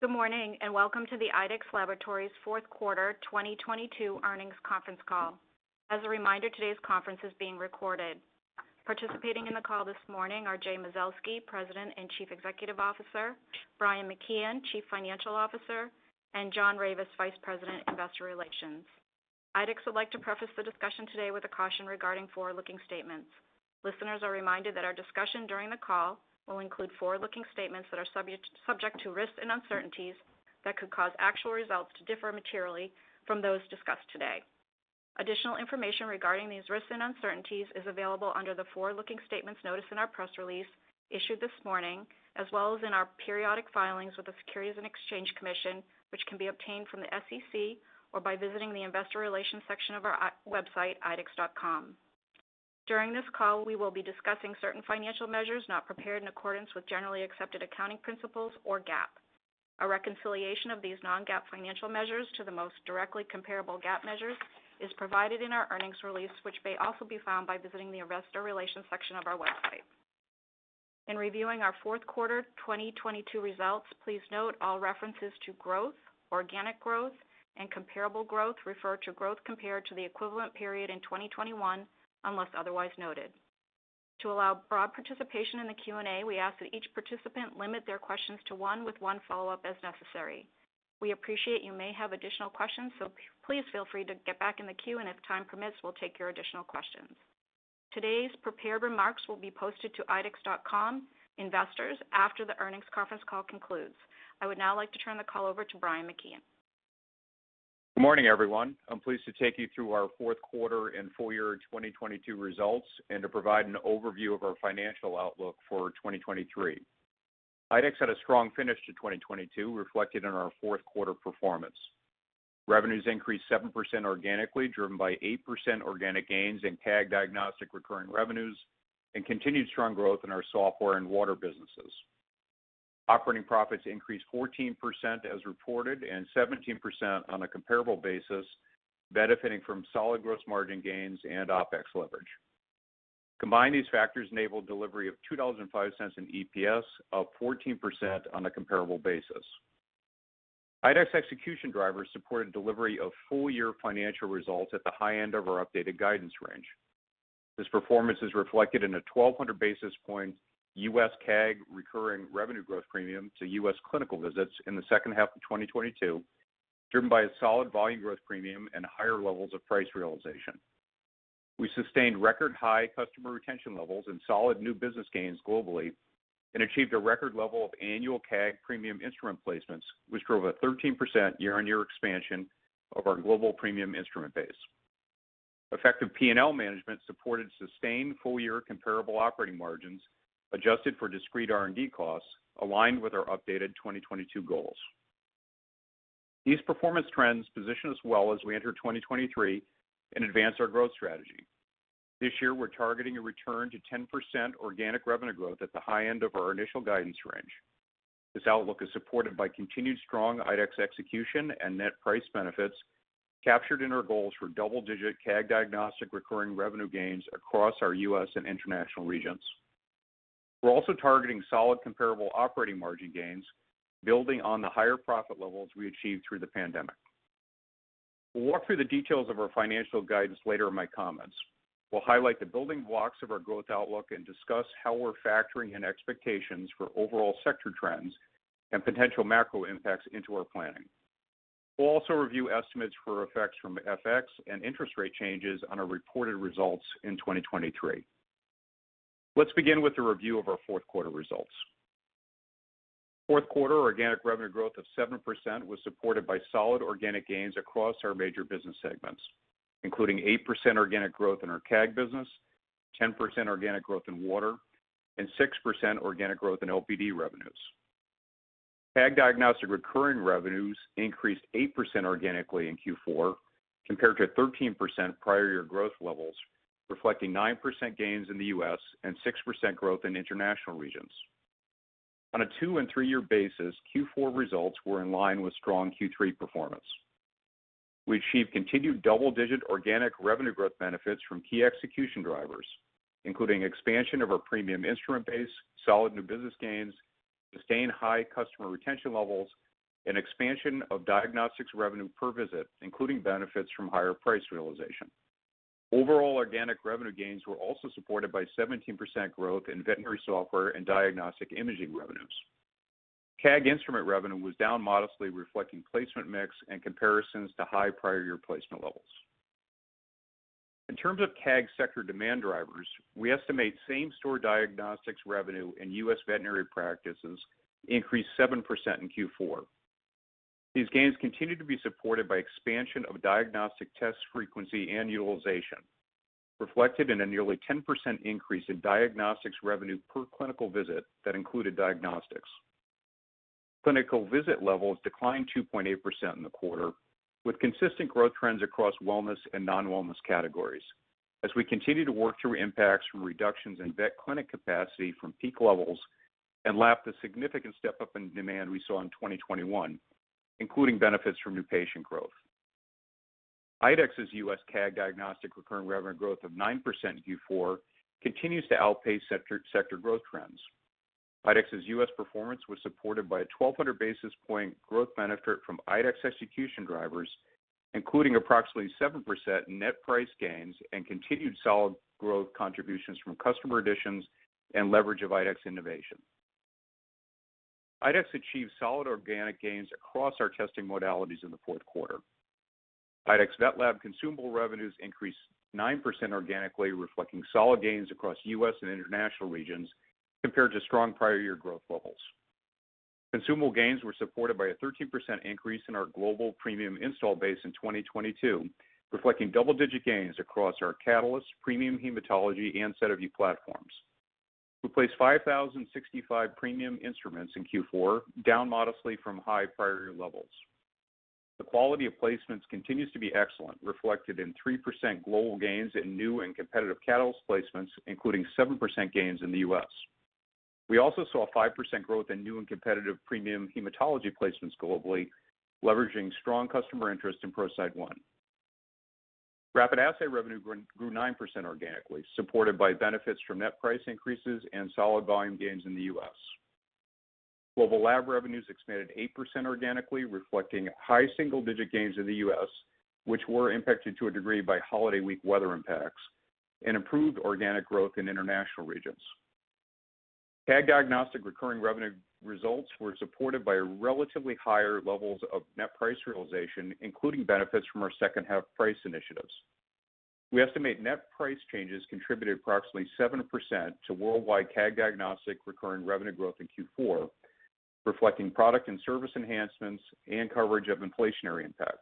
Good morning, welcome to the IDEXX Laboratories fourth quarter 2022 earnings conference call. As a reminder, today's conference is being recorded. Participating in the call this morning are Jay Mazelsky, President and Chief Executive Officer, Brian McKeon, Chief Financial Officer and Jon Block, Vice President, Investor Relations. IDEXX would like to preface the discussion today with a caution regarding forward-looking statements. Listeners are reminded that our discussion during the call will include forward-looking statements that are subject to risks and uncertainties that could cause actual results to differ materially from those discussed today. Additional information regarding these risks and uncertainties is available under the forward-looking statements notice in our press release issued this morning, as well as in our periodic filings with the Securities and Exchange Commission, which can be obtained from the SEC or by visiting the investor relations section of our website, idexx.com. During this call, we will be discussing certain financial measures not prepared in accordance with generally accepted accounting principles or GAAP. A reconciliation of these non-GAAP financial measures to the most directly comparable GAAP measures is provided in our earnings release, which may also be found by visiting the investor relations section of our website. In reviewing our fourth quarter 2022 results, please note all references to growth, organic growth, and comparable growth refer to growth compared to the equivalent period in 2021, unless otherwise noted. To allow broad participation in the Q&A, we ask that each participant limit their questions to one with one follow-up as necessary. We appreciate you may have additional questions, please feel free to get back in the queue, and if time permits, we'll take your additional questions. Today's prepared remarks will be posted to idexx.com investors after the earnings conference call concludes. I would now like to turn the call over to Brian McKeon. Good morning, everyone. I'm pleased to take you through our fourth quarter and full year 2022 results and to provide an overview of our financial outlook for 2023. IDEXX had a strong finish to 2022, reflected in our fourth quarter performance. Revenues increased 7% organically, driven by 8% organic gains in CAG Diagnostic recurring revenues and continued strong growth in our software and water businesses. Operating profits increased 14% as reported and 17% on a comparable basis, benefiting from solid gross margin gains and OpEx leverage. Combined, these factors enabled delivery of $2.05 in EPS, up 14% on a comparable basis. IDEXX execution drivers supported delivery of full-year financial results at the high end of our updated guidance range. This performance is reflected in a 1,200 basis point U.S. CAG recurring revenue growth premium to U.S. clinical visits in the second half of 2022, driven by a solid volume growth premium and higher levels of price realization. We sustained record-high customer retention levels and solid new business gains globally and achieved a record level of annual CAG premium instrument placements, which drove a 13% year-on-year expansion of our global premium instrument base. Effective P&L management supported sustained full-year comparable operating margins, adjusted for discrete R&D costs, aligned with our updated 2022 goals. These performance trends position us well as we enter 2023 and advance our growth strategy. This year, we're targeting a return to 10% organic revenue growth at the high end of our initial guidance range. This outlook is supported by continued strong IDEXX execution and net price benefits captured in our goals for double-digit CAG Diagnostic recurring revenue gains across our US and international regions. We're also targeting solid comparable operating margin gains, building on the higher profit levels we achieved through the pandemic. We'll walk through the details of our financial guidance later in my comments. We'll highlight the building blocks of our growth outlook and discuss how we're factoring in expectations for overall sector trends and potential macro impacts into our planning. We'll also review estimates for effects from FX and interest rate changes on our reported results in 2023. Let's begin with a review of our fourth quarter results. Fourth quarter organic revenue growth of 7% was supported by solid organic gains across our major business segments, including 8% organic growth in our CAG business, 10% organic growth in water, and 6% organic growth in LPD revenues. CAG Diagnostic recurring revenues increased 8% organically in Q4 compared to 13% prior year growth levels, reflecting 9% gains in the U.S. and 6% growth in international regions. On a two and three year basis, Q4 results were in line with strong Q3 performance. We achieved continued double-digit organic revenue growth benefits from key execution drivers, including expansion of our premium instrument base, solid new business gains, sustained high customer retention levels, and expansion of diagnostics revenue per visit, including benefits from higher price realization. Overall organic revenue gains were also supported by 17% growth in veterinary software and diagnostic imaging revenues. CAG instrument revenue was down modestly, reflecting placement mix and comparisons to high prior year placement levels. In terms of CAG sector demand drivers, we estimate same-store diagnostics revenue in U.S. veterinary practices increased 7% in Q4. These gains continued to be supported by expansion of diagnostic test frequency and utilization, reflected in a nearly 10% increase in diagnostics revenue per clinical visit that included diagnostics. Clinical visit levels declined 2.8% in the quarter, with consistent growth trends across wellness and non-wellness categories as we continue to work through impacts from reductions in vet clinic capacity from peak levels and lap the significant step-up in demand we saw in 2021, including benefits from new patient growth. IDEXX's U.S. CAG Diagnostic recurring revenue growth of 9% in Q4 continues to outpace sector growth trends. IDEXX's U.S. performance was supported by a 1,200 basis point growth benefit from IDEXX execution drivers, including approximately 7% net price gains and continued solid growth contributions from customer additions and leverage of IDEXX innovation. IDEXX achieved solid organic gains across our testing modalities in the fourth quarter. IDEXX VetLab consumable revenues increased 9% organically, reflecting solid gains across U.S. and international regions compared to strong prior year growth levels. Consumable gains were supported by a 13% increase in our global premium install base in 2022, reflecting double-digit gains across our Catalyst premium hematology and SediVue platforms. We placed 5,065 premium instruments in Q4, down modestly from high prior year levels. The quality of placements continues to be excellent, reflected in 3% global gains in new and competitive Catalyst placements, including 7% gains in the U.S. We also saw a 5% growth in new and competitive premium hematology placements globally, leveraging strong customer interest in ProCyte One. Rapid assay revenue grew 9% organically, supported by benefits from net price increases and solid volume gains in the U.S. Global lab revenues expanded 8% organically, reflecting high single-digit gains in the U.S., which were impacted to a degree by holiday week weather impacts and improved organic growth in international regions. CAG Diagnostic recurring revenue results were supported by relatively higher levels of net price realization, including benefits from our second half price initiatives. We estimate net price changes contributed approximately 7% to worldwide CAG Diagnostic recurring revenue growth in Q4, reflecting product and service enhancements and coverage of inflationary impacts.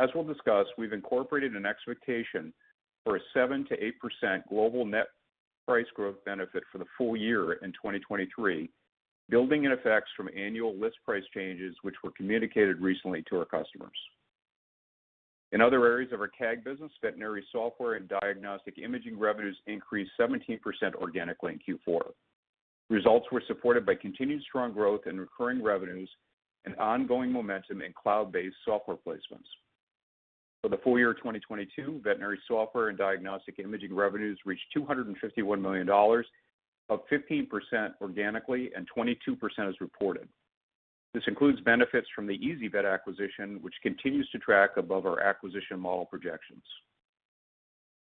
As we'll discuss, we've incorporated an expectation for a 7%-8% global net price growth benefit for the full year in 2023, building in effects from annual list price changes, which were communicated recently to our customers. In other areas of our CAG business, veterinary software and diagnostic imaging revenues increased 17% organically in Q4. Results were supported by continued strong growth in recurring revenues and ongoing momentum in cloud-based software placements. For the full year 2022, veterinary software and diagnostic imaging revenues reached $251 million, up 15% organically and 22% as reported. This includes benefits from the ezyVet acquisition, which continues to track above our acquisition model projections.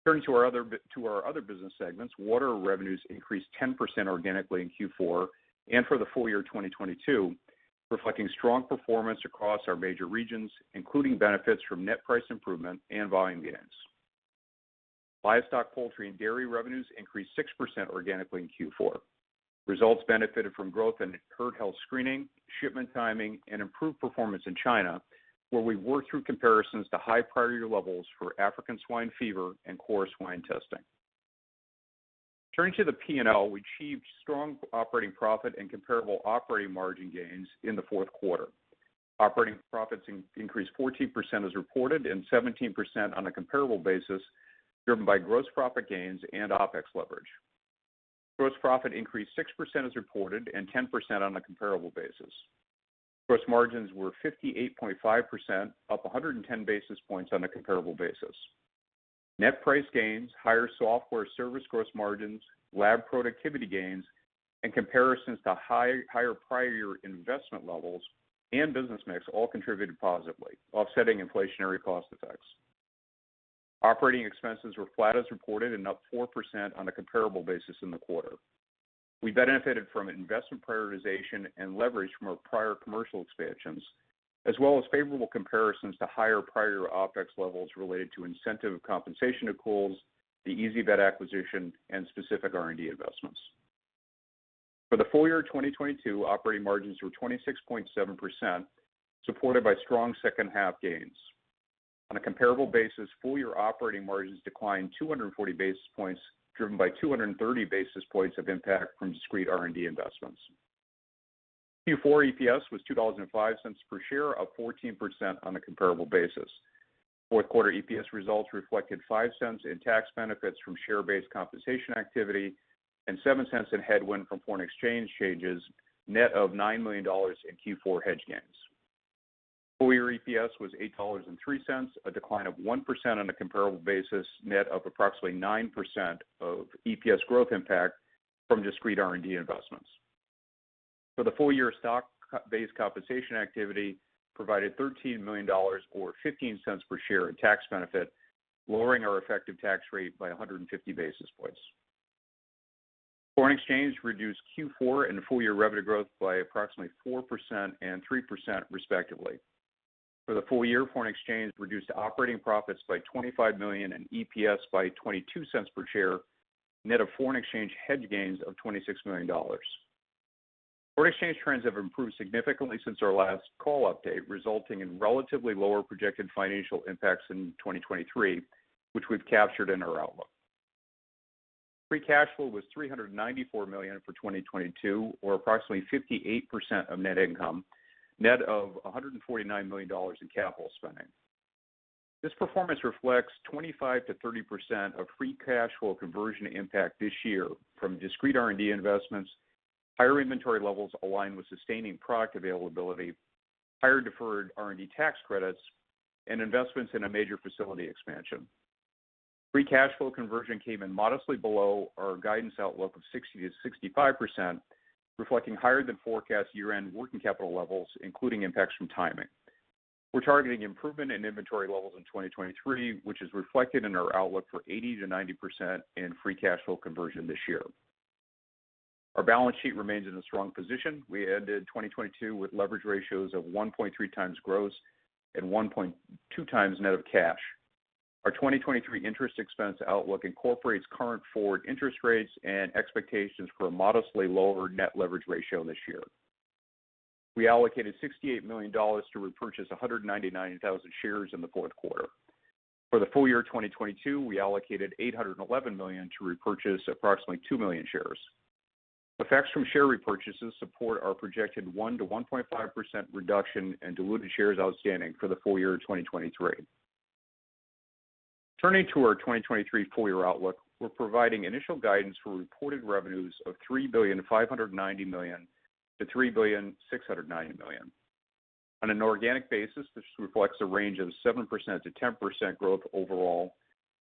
Turning to our other business segments, water revenues increased 10% organically in Q4 and for the full year 2022, reflecting strong performance across our major regions, including benefits from net price improvement and volume gains. Livestock, poultry, and dairy revenues increased 6% organically in Q4. Results benefited from growth in herd health screening, shipment timing, and improved performance in China, where we worked through comparisons to high prior year levels for African swine fever and porcine testing. Turning to the P&L, we achieved strong operating profit and comparable operating margin gains in the fourth quarter. Operating profits increased 14% as reported and 17% on a comparable basis, driven by gross profit gains and OpEx leverage. Gross profit increased 6% as reported and 10% on a comparable basis. Gross margins were 58.5%, up 110 basis points on a comparable basis. Net price gains, higher software service gross margins, lab productivity gains, and comparisons to higher prior year investment levels and business mix all contributed positively, offsetting inflationary cost effects. Operating expenses were flat as reported and up 4% on a comparable basis in the quarter. We benefited from investment prioritization and leverage from our prior commercial expansions, as well as favorable comparisons to higher prior year OpEx levels related to incentive compensation accruals, the ezyVet acquisition, and specific R&D investments. For the full year 2022, operating margins were 26.7%, supported by strong second half gains. On a comparable basis, full year operating margins declined 240 basis points, driven by 230 basis points of impact from discrete R&D investments. Q4 EPS was $2.05 per share, up 14% on a comparable basis. Fourth quarter EPS results reflected $0.05 in tax benefits from share-based compensation activity and $0.07 in headwind from foreign exchange changes, net of $9 million in Q4 hedge gains. Full year EPS was $8.03, a decline of 1% on a comparable basis, net of approximately 9% of EPS growth impact from discrete R&D investments. For the full year, stock-based compensation activity provided $13 million or $0.15 per share in tax benefit, lowering our effective tax rate by 150 basis points. Foreign exchange reduced Q4 and full year revenue growth by approximately 4% and 3% respectively. For the full year, foreign exchange reduced operating profits by $25 million and EPS by $0.22 per share, net of foreign exchange hedge gains of $26 million. Foreign exchange trends have improved significantly since our last call update, resulting in relatively lower projected financial impacts in 2023, which we've captured in our outlook. Free cash flow was $394 million for 2022, or approximately 58% of net income, net of $149 million in capital spending. This performance reflects 25%-30% of free cash flow conversion impact this year from discrete R&D investments, higher inventory levels align with sustaining product availability, higher deferred R&D tax credits, and investments in a major facility expansion. Free cash flow conversion came in modestly below our guidance outlook of 60%-65%, reflecting higher than forecast year-end working capital levels, including impacts from timing. We're targeting improvement in inventory levels in 2023, which is reflected n our outlook for 80%-90% in free cash flow conversion this year. Our balance sheet remains in a strong position. We ended 2022 with leverage ratios of 1.3 times gross and 1.2 times net of cash. Our 2023 interest expense outlook incorporates current forward interest rates and expectations for a modestly lower net leverage ratio this year. We allocated $68 million to repurchase 199,000 shares in the fourth quarter. For the full year 2022, we allocated $811 million to repurchase approximately two million shares. Effects from share repurchases support our projected 1%-1.5% reduction in diluted shares outstanding for the full year 2023. Turning to our 2023 full year outlook, we're providing initial guidance for reported revenues of $3.59 billion-$3.69 billion. On an organic basis, this reflects a range of 7%-10% growth overall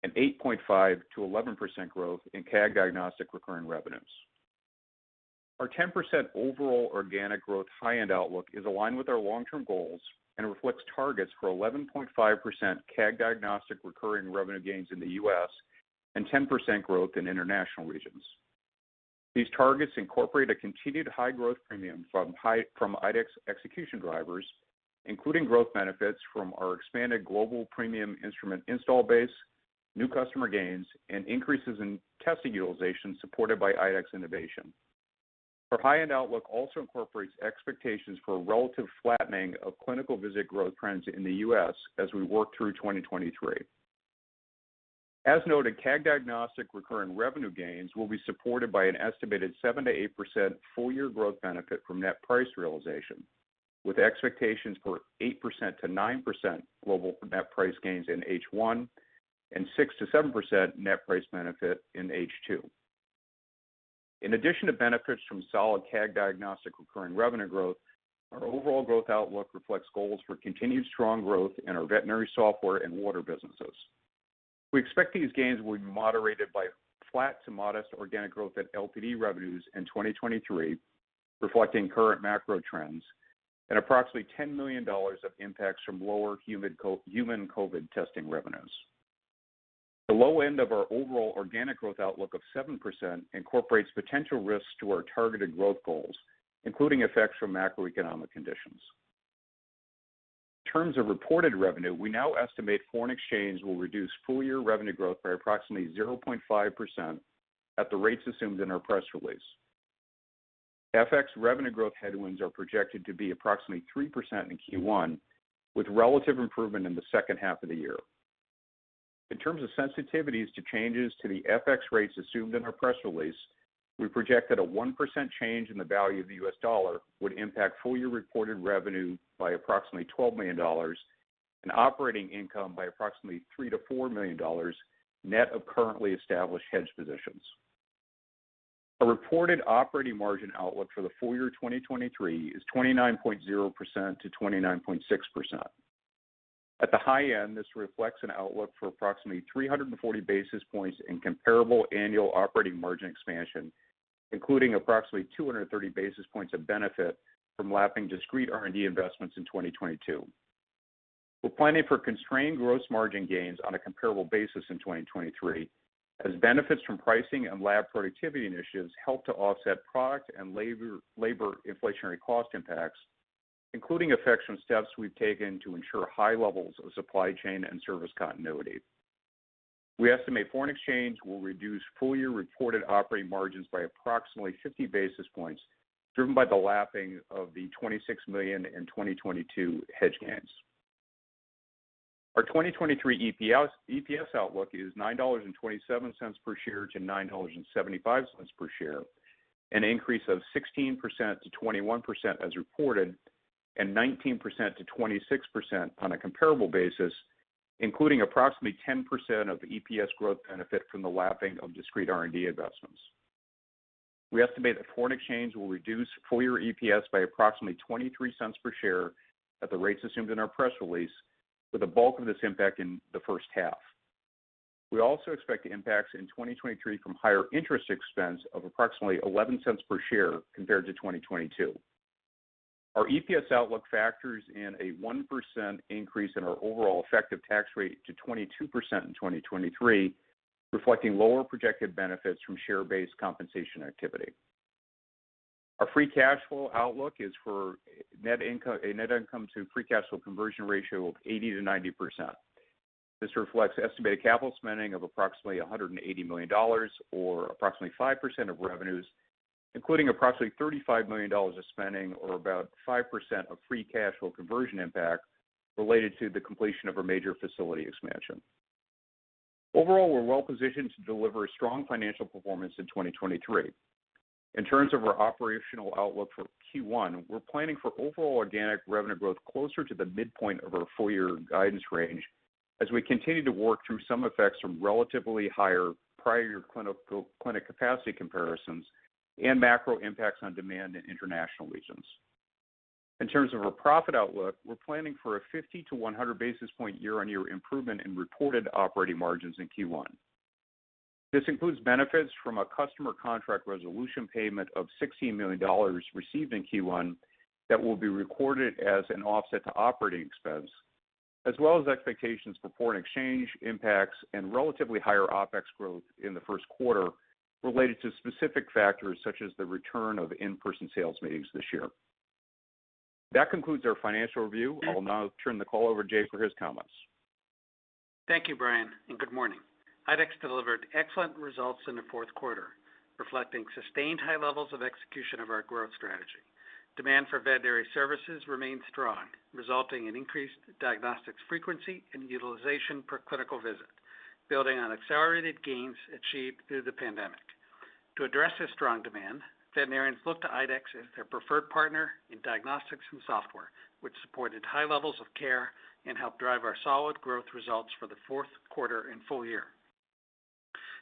and 8.5%-11% growth in CAG Diagnostic recurring revenues. Our 10% overall organic growth high-end outlook is aligned with our long-term goals and reflects targets for 11.5% CAG Diagnostic recurring revenue gains in the U.S. and 10% growth in international regions. These targets incorporate a continued high growth premium from IDEXX execution drivers, including growth benefits from our expanded global premium instrument install base, new customer gains, and increases in testing utilization supported by IDEXX innovation. Our high-end outlook also incorporates expectations for a relative flattening of clinical visit growth trends in the U.S. as we work through 2023. As noted, CAG Diagnostic recurring revenue gains will be supported by an estimated 7%-8% full year growth benefit from net price realization, with expectations for 8%-9% global net price gains in H1 and 6%-7% net price benefit in H2. In addition to benefits from solid CAG Diagnostic recurring revenue growth, our overall growth outlook reflects goals for continued strong growth in our veterinary software and water businesses. We expect these gains will be moderated by flat to modest organic growth at LPD revenues in 2023, reflecting current macro trends and approximately $10 million of impacts from lower human COVID testing revenues. The low end of our overall organic growth outlook of 7% incorporates potential risks to our targeted growth goals, including effects from macroeconomic conditions. In terms of reported revenue, we now estimate foreign exchange will reduce full year revenue growth by approximately 0.5% at the rates assumed in our press release. FX revenue growth headwinds are projected to be approximately 3% in Q1, with relative improvement in the second half of the year. In terms of sensitivities to changes to the FX rates assumed in our press release, we project that a 1% change in the value of the US dollar would impact full year reported revenue by approximately $12 million and operating income by approximately $3 million-$4 million net of currently established hedge positions. Our reported operating margin outlook for the full year 2023 is 29.0%-29.6%. At the high end, this reflects an outlook for approximately 340 basis points in comparable annual operating margin expansion, including approximately 230 basis points of benefit from lapping discrete R&D investments in 2022. We're planning for constrained gross margin gains on a comparable basis in 2023 as benefits from pricing and lab productivity initiatives help to offset product and labor inflationary cost impacts, including effects from steps we've taken to ensure high levels of supply chain and service continuity. We estimate foreign exchange will reduce full year reported operating margins by approximately 50 basis points, driven by the lapping of the $26 million in 2022 hedge gains. Our 2023 EPS outlook is $9.27 per share to $9.75 per share, an increase of 16%-21% as reported, and 19%-26% on a comparable basis, including approximately 10% of the EPS growth benefit from the lapping of discrete R&D investments. We estimate that foreign exchange will reduce full year EPS by approximately $0.23 per share at the rates assumed in our press release, with the bulk of this impact in the first half. We also expect impacts in 2023 from higher interest expense of approximately $0.11 per share compared to 2022. Our EPS outlook factors in a 1% increase in our overall effective tax rate to 22% in 2023, reflecting lower projected benefits from share-based compensation activity. Our free cash flow outlook is for a net income to free cash flow conversion ratio of 80%-90%. This reflects estimated capital spending of approximately $180 million or approximately 5% of revenues, including approximately $35 million of spending or about 5% of free cash flow conversion impact related to the completion of our major facility expansion. Overall, we're well positioned to deliver strong financial performance in 2023. In terms of our operational outlook for Q1, we're planning for overall organic revenue growth closer to the midpoint of our full year guidance range. As we continue to work through some effects from relatively higher prior clinical clinic capacity comparisons and macro impacts on demand in international regions. In terms of our profit outlook, we're planning for a 50 to 100 basis point year-on-year improvement in reported operating margins in Q1. This includes benefits from a customer contract resolution payment of $16 million received in Q1 that will be recorded as an offset to operating expense, as well as expectations for foreign exchange impacts and relatively higher OpEx growth in the first quarter related to specific factors such as the return of in-person sales meetings this year. That concludes our financial review. I will now turn the call over to Jay for his comments. Thank you, Brian, and good morning. IDEXX delivered excellent results in the fourth quarter, reflecting sustained high levels of execution of our growth strategy. Demand for veterinary services remained strong, resulting in increased diagnostics frequency and utilization per clinical visit, building on accelerated gains achieved through the pandemic. To address this strong demand, veterinarians looked to IDEXX as their preferred partner in diagnostics and software, which supported high levels of care and helped drive our solid growth results for the fourth quarter and full year.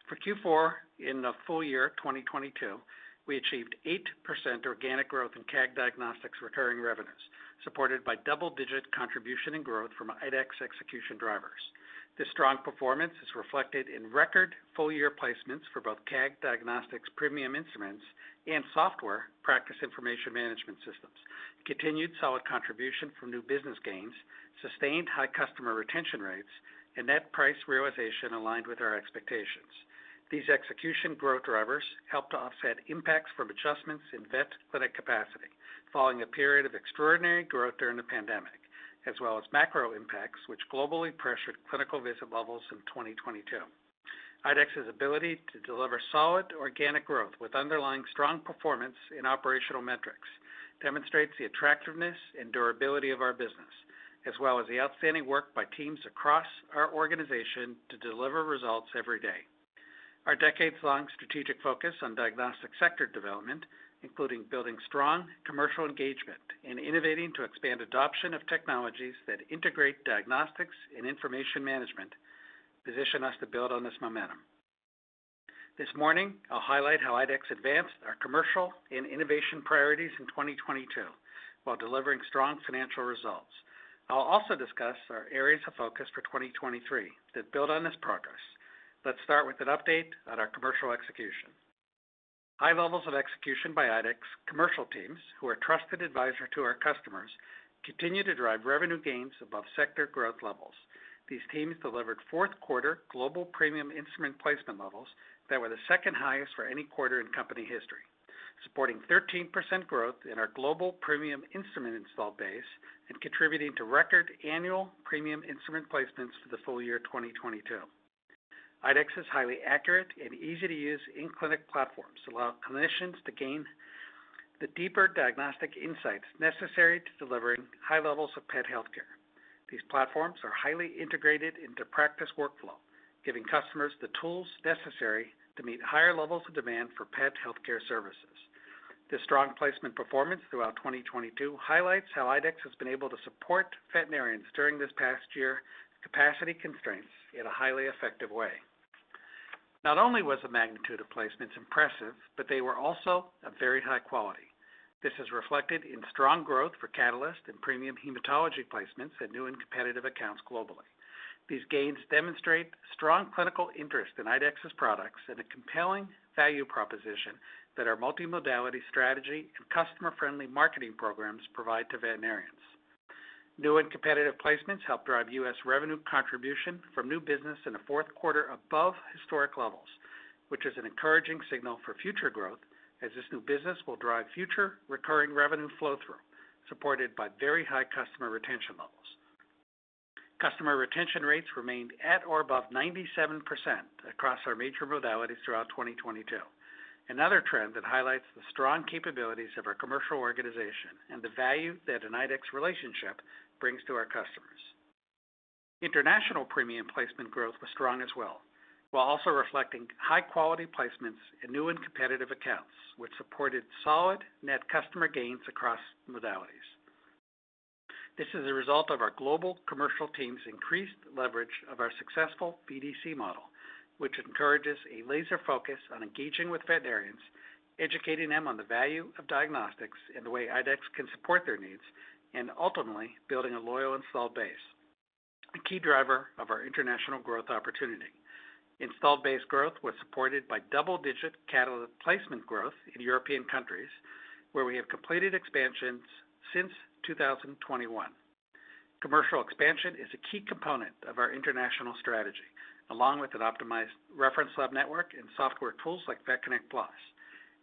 For Q4 in the full year 2022, we achieved 8% organic growth in CAG Diagnostics recurring revenues, supported by double-digit contribution and growth from IDEXX execution drivers. This strong performance is reflected in record full-year placements for both CAG Diagnostic premium instruments and software practice information management systems, continued solid contribution from new business gains, sustained high customer retention rates, and net price realization aligned with our expectations. These execution growth drivers helped to offset impacts from adjustments in vet clinic capacity following a period of extraordinary growth during the pandemic, as well as macro impacts which globally pressured clinical visit levels in 2022. IDEXX's ability to deliver solid organic growth with underlying strong performance in operational metrics demonstrates the attractiveness and durability of our business, as well as the outstanding work by teams across our organization to deliver results every day. Our decades-long strategic focus on diagnostic sector development, including building strong commercial engagement and innovating to expand adoption of technologies that integrate diagnostics and information management, position us to build on this momentum. This morning, I'll highlight how IDEXX advanced our commercial and innovation priorities in 2022 while delivering strong financial results. I'll also discuss our areas of focus for 2023 that build on this progress. Let's start with an update on our commercial execution. High levels of execution by IDEXX commercial teams who are trusted advisor to our customers continue to drive revenue gains above sector growth levels. These teams delivered fourth quarter global premium instrument placement levels that were the second highest for any quarter in company history, supporting 13% growth in our global premium instrument install base and contributing to record annual premium instrument placements for the full year 2022. IDEXX's highly accurate and easy-to-use in-clinic platforms allow clinicians to gain the deeper diagnostic insights necessary to delivering high levels of pet healthcare. These platforms are highly integrated into practice workflow, giving customers the tools necessary to meet higher levels of demand for pet healthcare services. This strong placement performance throughout 2022 highlights how IDEXX has been able to support veterinarians during this past year capacity constraints in a highly effective way. Not only was the magnitude of placements impressive, but they were also of very high quality. This is reflected in strong growth for Catalyst and premium hematology placements at new and competitive accounts globally. These gains demonstrate strong clinical interest in IDEXX's products and a compelling value proposition that our multimodality strategy and customer-friendly marketing programs provide to veterinarians. New and competitive placements help drive U.S. revenue contribution from new business in the fourth quarter above historic levels, which is an encouraging signal for future growth as this new business will drive future recurring revenue flow through, supported by very high customer retention levels. Customer retention rates remained at or above 97% across our major modalities throughout 2022. Another trend that highlights the strong capabilities of our commercial organization and the value that an IDEXX relationship brings to our customers. International premium placement growth was strong as well, while also reflecting high quality placements in new and competitive accounts, which supported solid net customer gains across modalities. This is a result of our global commercial team's increased leverage of our successful BDC model, which encourages a laser focus on engaging with veterinarians, educating them on the value of diagnostics and the way IDEXX can support their needs, and ultimately building a loyal install base, a key driver of our international growth opportunity. Installed base growth was supported by double-digit Catalyst placement growth in European countries where we have completed expansions since 2021. Commercial expansion is a key component of our international strategy, along with an optimized reference lab network and software tools like VetConnect PLUS.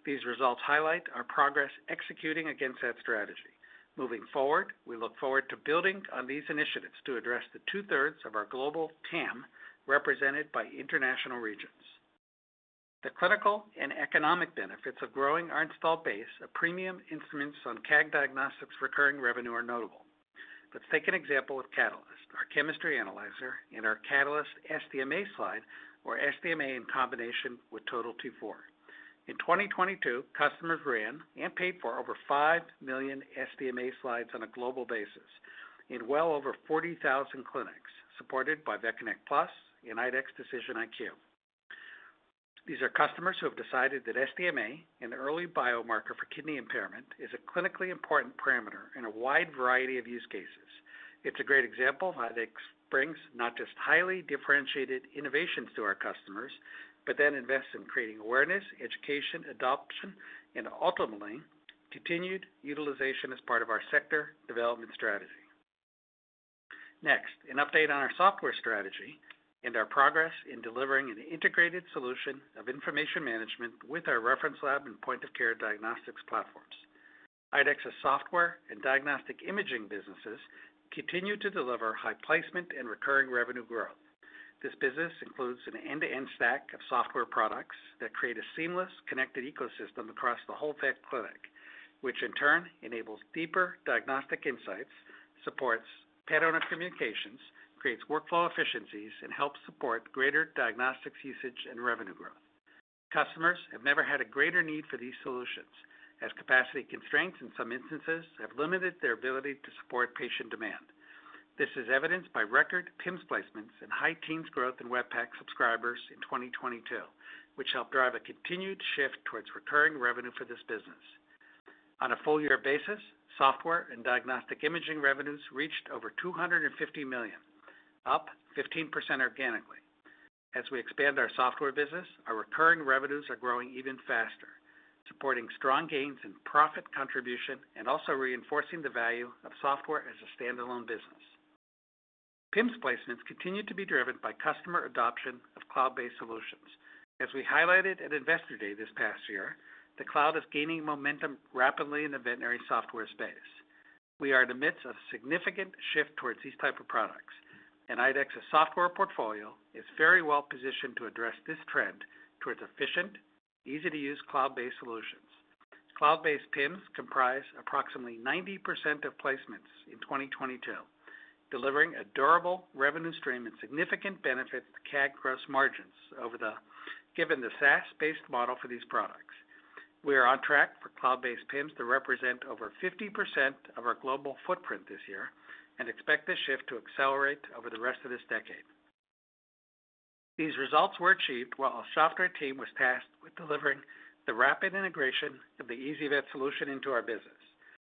These results highlight our progress executing against that strategy. Moving forward, we look forward to building on these initiatives to address the two-thirds of our global TAM represented by international regions. The clinical and economic benefits of growing our install base of premium instruments on CAG Diagnostics recurring revenue are notable. Let's take an example with Catalyst, our chemistry analyzer, and our Catalyst SDMA slide, or SDMA in combination with Total T4. In 2022, customers ran and paid for overfive million SDMA slides on a global basis in well over 40,000 clinics supported by VetConnect PLUS and IDEXX DecisionIQ. These are customers who have decided that SDMA, an early biomarker for kidney impairment, is a clinically important parameter in a wide variety of use cases. It's a great example of how IDEXX brings not just highly differentiated innovations to our customers, but then invests in creating awareness, education, adoption, and ultimately, continued utilization as part of our sector development strategy. An update on our software strategy and our progress in delivering an integrated solution of information management with our reference lab and point of care diagnostics platforms. IDEXX's software and diagnostic imaging businesses continue to deliver high placement and recurring revenue growth. This business includes an end-to-end stack of software products that create a seamless, connected ecosystem across the whole vet clinic, which in turn enables deeper diagnostic insights, supports pet owner communications, creates workflow efficiencies, and helps support greater diagnostics usage and revenue growth. Customers have never had a greater need for these solutions, as capacity constraints in some instances have limited their ability to support patient demand. This is evidenced by record PIMS placements and high teens growth in WebPACS subscribers in 2022, which helped drive a continued shift towards recurring revenue for this business. On a full year basis, software and diagnostic imaging revenues reached over $250 million, up 15% organically. As we expand our software business, our recurring revenues are growing even faster, supporting strong gains in profit contribution and also reinforcing the value of software as a standalone business. PIMS placements continue to be driven by customer adoption of cloud-based solutions. As we highlighted at Investor Day this past year, the cloud is gaining momentum rapidly in the veterinary software space. We are in the midst of a significant shift towards these type of products. IDEXX's software portfolio is very well positioned to address this trend towards efficient, easy-to-use cloud-based solutions. Cloud-based PIMS comprise approximately 90% of placements in 2022, delivering a durable revenue stream and significant benefit to CAG gross margins given the SaaS-based model for these products. We are on track for cloud-based PIMS to represent over 50% of our global footprint this year and expect this shift to accelerate over the rest of this decade. These results were achieved while our software team was tasked with delivering the rapid integration of the ezyVet solution into our business,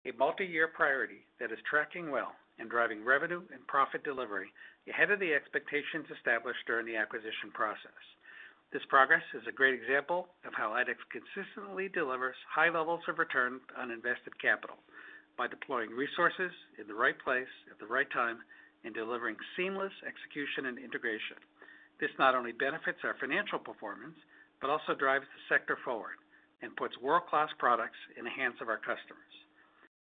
a multi-year priority that is tracking well and driving revenue and profit delivery ahead of the expectations established during the acquisition process. This progress is a great example of how IDEXX consistently delivers high levels of return on invested capital by deploying resources in the right place at the right time and delivering seamless execution and integration. This not only benefits our financial performance, but also drives the sector forward and puts world-class products in the hands of our customers.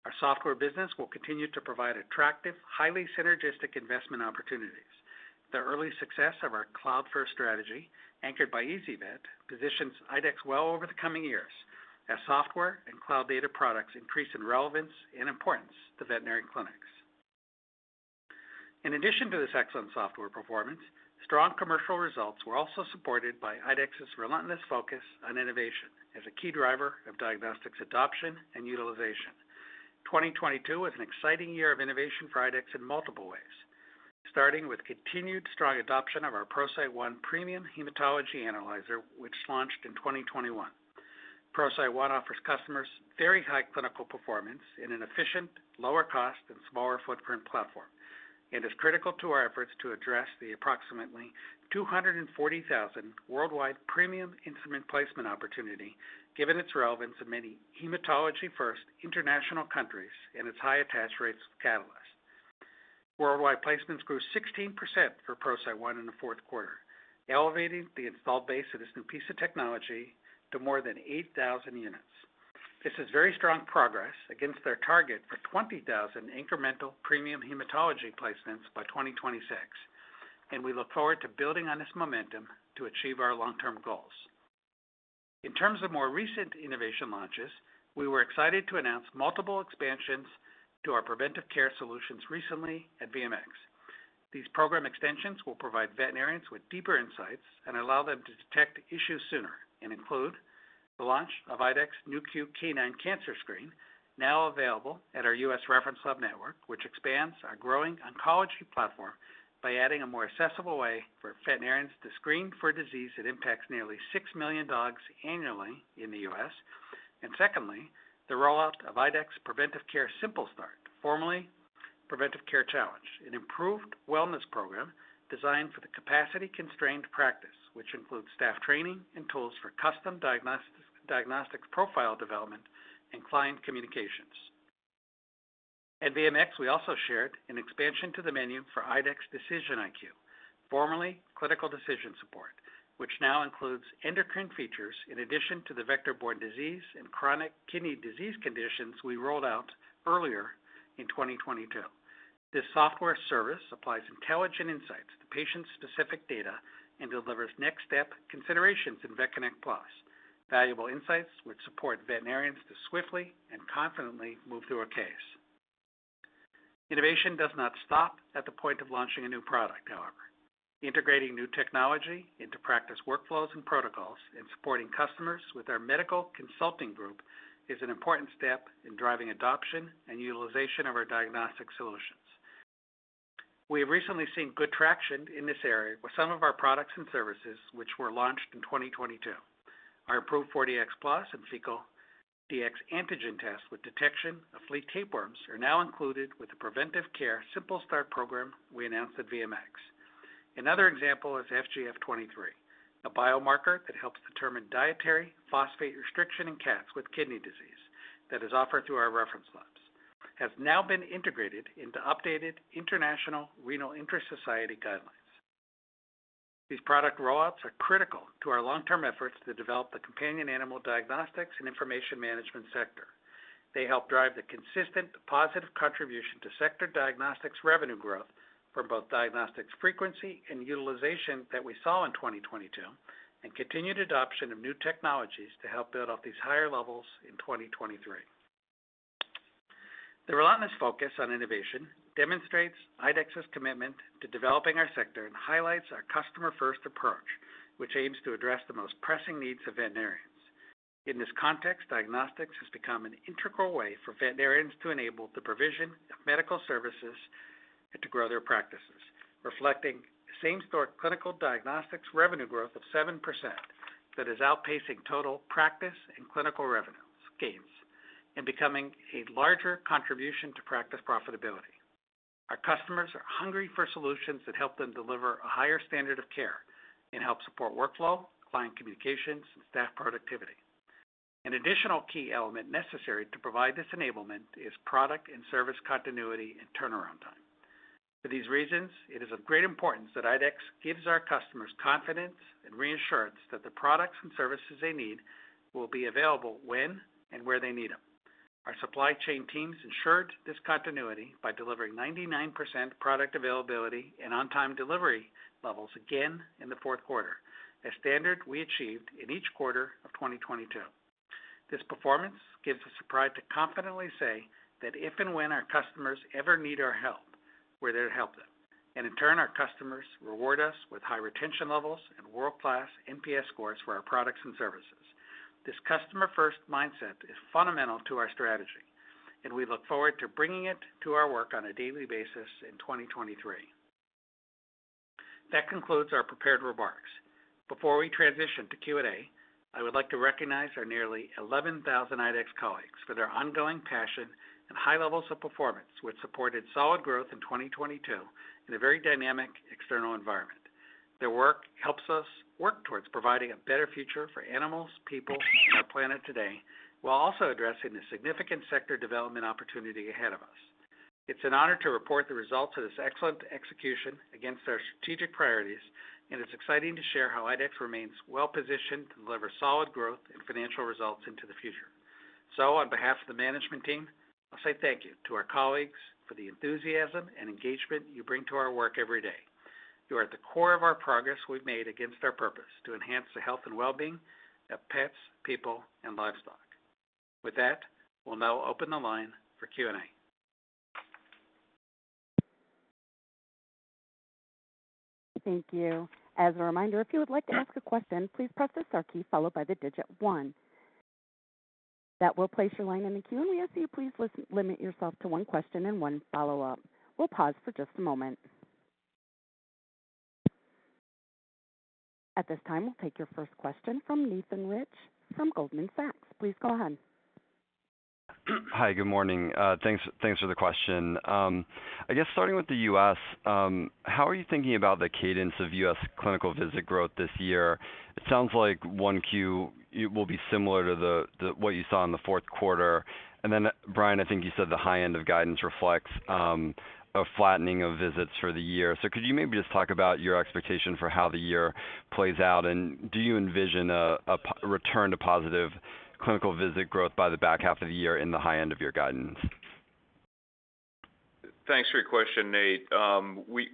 Our software business will continue to provide attractive, highly synergistic investment opportunities. The early success of our cloud-first strategy, anchored by ezyVet, positions IDEXX well over the coming years as software and cloud data products increase in relevance and importance to veterinary clinics. In addition to this excellent software performance, strong commercial results were also supported by IDEXX's relentless focus on innovation as a key driver of diagnostics adoption and utilization. 2022 was an exciting year of innovation for IDEXX in multiple ways. Starting with continued strong adoption of our ProCyte One premium hematology analyzer, which launched in 2021. ProCyte One offers customers very high clinical performance in an efficient, lower cost, and smaller footprint platform, and is critical to our efforts to address the approximately 240,000 worldwide premium instrument placement opportunity, given its relevance in many hematology-first international countries and its high attach rates with Catalyst. Worldwide placements grew 16% for ProCyte one in the fourth quarter, elevating the installed base of this new piece of technology to more than 8,000 units. This is very strong progress against our target for 20,000 incremental premium hematology placements by 2026, and we look forward to building on this momentum to achieve our long-term goals. In terms of more recent innovation launches, we were excited to announce multiple expansions to our preventive care solutions recently at VMX. These program extensions will provide veterinarians with deeper insights and allow them to detect issues sooner, and include the launch of IDEXX's new Cube Canine Cancer Screen, now available at our U.S. reference lab network, which expands our growing oncology platform by adding a more accessible way for veterinarians to screen for a disease that impacts nearly six million dogs annually in the U.S. Secondly, the rollout of IDEXX Preventive Care Simple Start, formerly Preventive Care Challenge, an improved wellness program designed for the capacity-constrained practice, which includes staff training and tools for custom diagnostics profile development, and client communications. At VMX, we also shared an expansion to the menu for IDEXX DecisionIQ, formerly Clinical Decision Support, which now includes endocrine features in addition to the vector-borne disease and chronic kidney disease conditions we rolled out earlier in 2022. This software service applies intelligent insights to patient-specific data and delivers next-step considerations in VetConnect PLUS, valuable insights which support veterinarians to swiftly and confidently move through a case. Innovation does not stop at the point of launching a new product, however. Integrating new technology into practice workflows and protocols and supporting customers with our medical consulting group is an important step in driving adoption and utilization of our diagnostic solutions. We have recently seen good traction in this area with some of our products and services which were launched in 2022. Our 4Dx Plus and Fecal Dx antigen test with detection of flea tapeworms are now included with the Preventive Care Simple Start program we announced at VMX. Another example is FGF-23, a biomarker that helps determine dietary phosphate restriction in cats with kidney disease that is offered through our reference labs, has now been integrated into updated International Renal Interest Society guidelines. These product rollouts are critical to our long-term efforts to develop the companion animal diagnostics and information management sector. They help drive the consistent positive contribution to sector diagnostics revenue growth from both diagnostics frequency and utilization that we saw in 2022, and continued adoption of new technologies to help build off these higher levels in 2023. The relentless focus on innovation demonstrates IDEXX's commitment to developing our sector and highlights our customer-first approach, which aims to address the most pressing needs of veterinarians. In this context, diagnostics has become an integral way for veterinarians to enable the provision of medical services and to grow their practices, reflecting same-store clinical diagnostics revenue growth of 7% that is outpacing total practice and clinical revenues gains and becoming a larger contribution to practice profitability. Our customers are hungry for solutions that help them deliver a higher standard of care and help support workflow, client communications, and staff productivity. An additional key element necessary to provide this enablement is product and service continuity and turnaround time. For these reasons, it is of great importance that IDEXX gives our customers confidence and reassurance that the products and services they need will be available when and where they need them. Our supply chain teams ensured this continuity by delivering 99% product availability and on-time delivery levels again in the fourth quarter, a standard we achieved in each quarter of 2022. In turn, our customers reward us with high retention levels and world-class NPS scores for our products and services. This customer-first mindset is fundamental to our strategy, and we look forward to bringing it to our work on a daily basis in 2023. That concludes our prepared remarks. Before we transition to Q&A, I would like to recognize our nearly 11,000 IDEXX colleagues for their ongoing passion and high levels of performance, which supported solid growth in 2022 in a very dynamic external environment. Their work helps us work towards providing a better future for animals, people, and our planet today, while also addressing the significant sector development opportunity ahead of us. It's an honor to report the results of this excellent execution against our strategic priorities. It's exciting to share how IDEXX remains well positioned to deliver solid growth and financial results into the future. On behalf of the management team, I'll say thank you to our colleagues for the enthusiasm and engagement you bring to our work every day. You are at the core of our progress we've made against our purpose to enhance the health and well-being of pets, people, and livestock. With that, we'll now open the line for Q&A. Thank you. As a reminder, if you would like to ask a question, please press the star key followed by the one. That will place your line in the queue. We ask you please limit yourself to one question and one follow-up. We'll pause for just a moment. At this time, we'll take your first question from Nathan Rich from Goldman Sachs. Please go ahead. Hi, good morning. Thanks for the question. I guess starting with the U.S., how are you thinking about the cadence of U.S. clinical visit growth this year? It sounds like 1Q, it will be similar to the what you saw in the fourth quarter. Brian, I think you said the high end of guidance reflects a flattening of visits for the year. Could you maybe just talk about your expectation for how the year plays out? Do you envision a return to positive clinical visit growth by the back half of the year in the high end of your guidance? Thanks for your question, Nate.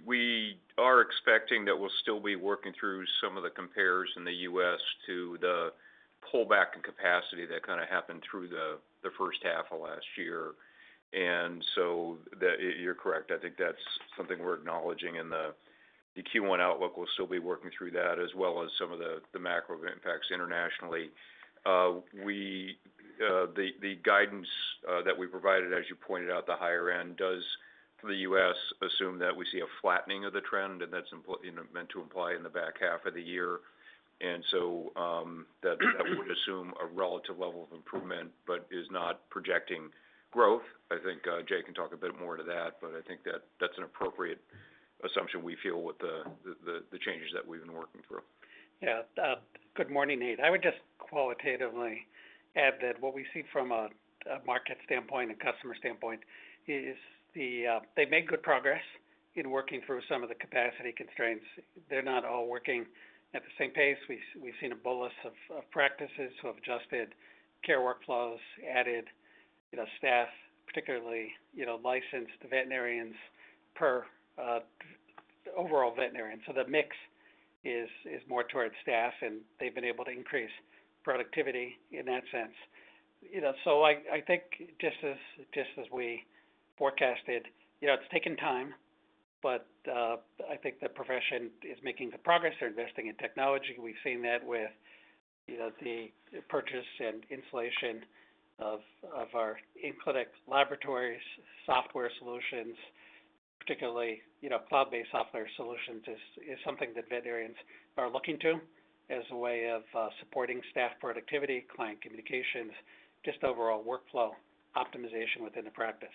We are expecting that we'll still be working through some of the compares in the U.S. to the pullback in capacity that kinda happened through the first half of last year. You're correct. I think that's something we're acknowledging in the Q1 outlook. We'll still be working through that as well as some of the macro impacts internationally. We, the guidance that we provided, as you pointed out, the higher end, does for the U.S. assume that we see a flattening of the trend, and that's implied, you know, meant to imply in the back half of the year. That would assume a relative level of improvement, but is not projecting growth. I think Jay can talk a bit more to that, but I think that that's an appropriate assumption we feel with the changes that we've been working through. Good morning, Nate. I would just qualitatively add that what we see from a market standpoint and customer standpoint is they've made good progress in working through some of the capacity constraints. They're not all working at the same pace. We've seen a bolus of practices who have adjusted care workflows, added, you know, staff, particularly, you know, licensed veterinarians per practice. The overall veterinarian. So the mix is more towards staff, and they've been able to increase productivity in that sense. You know, so I think just as we forecasted, you know, it's taken time, but I think the profession is making good progress. They're investing in technology. We've seen that with, you know, the purchase and installation of our in-clinic laboratories, software solutions, particularly, you know, cloud-based software solutions is something that veterinarians are looking to as a way of supporting staff productivity, client communications, just overall workflow optimization within the practice.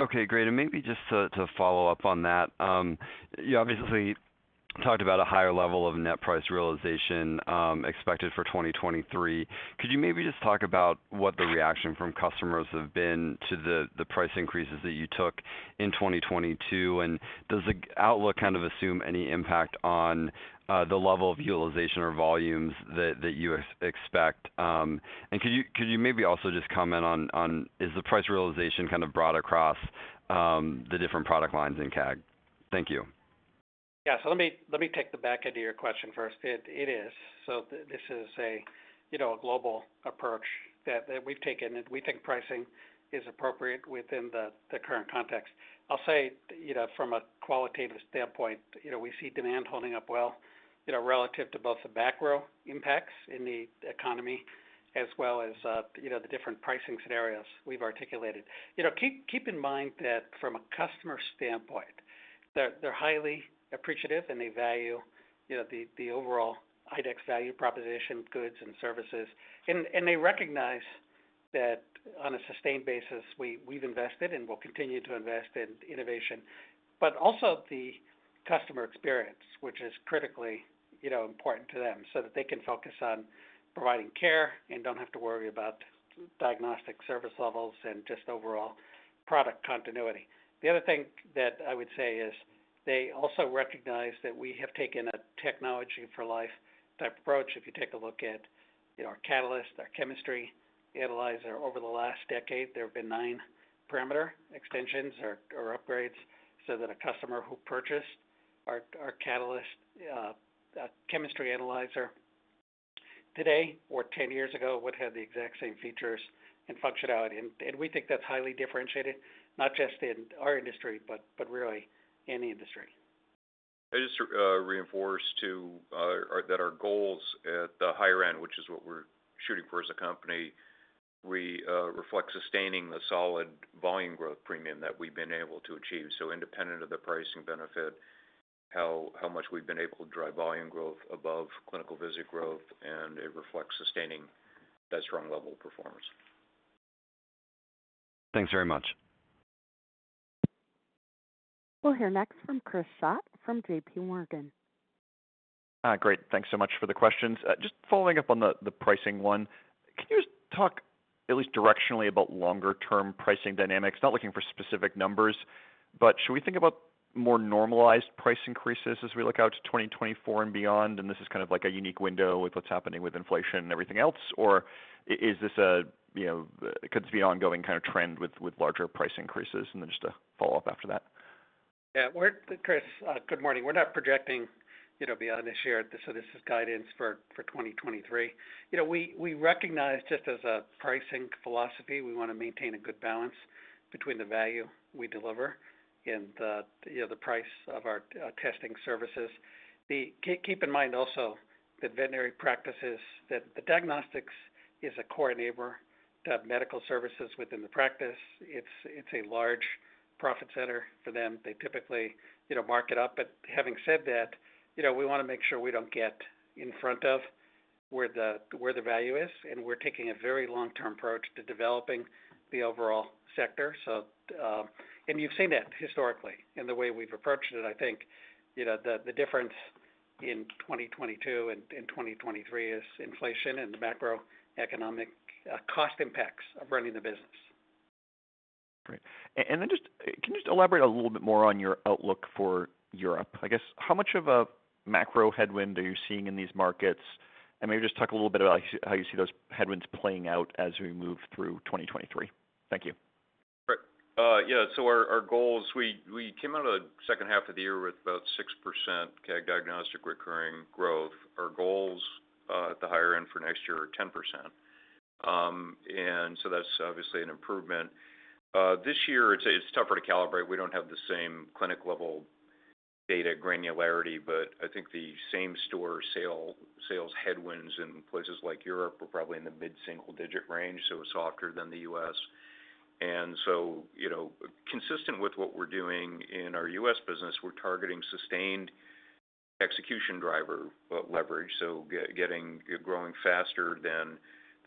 Okay, great. Maybe just to follow up on that. You obviously talked about a higher level of net price realization expected for 2023. Could you maybe just talk about what the reaction from customers have been to the price increases that you took in 2022? Does the outlook kind of assume any impact on the level of utilization or volumes that you expect? Could you maybe also just comment on is the price realization kind of broad across the different product lines in CAG? Thank you. Yeah. Let me take the back end of your question first. It is. This is a, you know, a global approach that we've taken, and we think pricing is appropriate within the current context. I'll say, you know, from a qualitative standpoint, you know, we see demand holding up well, you know, relative to both the macro impacts in the economy as well as, you know, the different pricing scenarios we've articulated. You know, keep in mind that from a customer standpoint, they're highly appreciative, and they value, you know, the overall IDEXX value proposition, goods and services. They recognize that on a sustained basis, we've invested and will continue to invest in innovation, but also the customer experience, which is critically, you know, important to them so that they can focus on providing care and don't have to worry about diagnostic service levels and just overall product continuity. The other thing that I would say is they also recognize that we have taken a technology for life type approach. If you take a look at, you know, our Catalyst, our chemistry analyzer. Over the last decade, there have been nine parameter extensions or upgrades so that a customer who purchased our Catalyst chemistry analyzer today or 10 years ago would have the exact same features and functionality. We think that's highly differentiated, not just in our industry, but really any industry. I just reinforce to that our goals at the higher end, which is what we're shooting for as a company, we reflect sustaining the solid volume growth premium that we've been able to achieve. Independent of the pricing benefit, how much we've been able to drive volume growth above clinical visit growth. It reflects sustaining that strong level of performance. Thanks very much. We'll hear next from Chris Schott from J.P. Morgan. Great. Thanks so much for the questions. Just following up on the pricing one. Can you just talk at least directionally about longer-term pricing dynamics? Not looking for specific numbers, but should we think about more normalized price increases as we look out to 2024 and beyond, and this is kind of like a unique window with what's happening with inflation and everything else? Or is this a, you know, could this be an ongoing kind of trend with larger price increases? Just a follow-up after that. Yeah. Chris, good morning. We're not projecting, you know, beyond this year. This is guidance for 2023. You know, we recognize just as a pricing philosophy, we wanna maintain a good balance between the value we deliver and the, you know, the price of our testing services. Keep in mind also that veterinary practices, that diagnostics is a core enabler to have medical services within the practice. It's a large profit center for them. They typically, you know, mark it up. Having said that, you know, we wanna make sure we don't get in front of where the value is, and we're taking a very long-term approach to developing the overall sector. And you've seen that historically in the way we've approached it. I think, you know, the difference in 2022 and in 2023 is inflation and the macroeconomic cost impacts of running the business. Great. Just, can you just elaborate a little bit more on your outlook for Europe? I guess, how much of a macro headwind are you seeing in these markets? Maybe just talk a little bit about how you see those headwinds playing out as we move through 2023. Thank you. Right. Yeah. Our, our goals, we came out of the second half of the year with about 6% CAG Diagnostic recurring growth. Our goals at the higher end for next year are 10%. That's obviously an improvement. This year it's tougher to calibrate. We don't have the same clinic level data granularity, but I think the same store sales headwinds in places like Europe were probably in the mid-single digit range, so softer than the US. You know, consistent with what we're doing in our US business, we're targeting sustained execution driver leverage, so getting, growing faster than